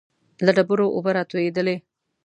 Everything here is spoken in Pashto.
له ډبرو اوبه را تويېدلې.